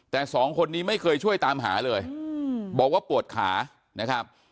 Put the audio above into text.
แต่สองคนนี้ไม่เคยช่วยตามหาเลยบอกว่าปวดขานะครับ